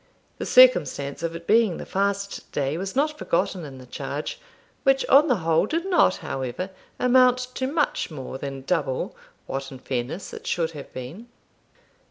The circumstance of its being the fast day was not forgotten in the charge, which, on the whole, did not, however, amount to much more than double what in fairness it should have been.